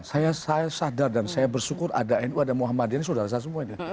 saya sadar dan saya bersyukur ada mu dan muhammadiyah ini saudara saya semua ya